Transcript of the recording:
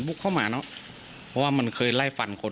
พุ่งเข้ามาแล้วกับแม่แค่สองคน